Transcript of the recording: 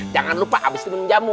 jangan lupa abis itu menjamu